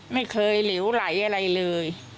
ไม่เคยหลิวไหลอะไรเลย